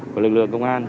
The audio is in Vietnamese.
của lực lượng công an